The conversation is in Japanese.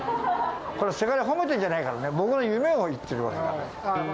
これ、せがれ褒めてんじゃないからね、僕の夢を言っているわけ。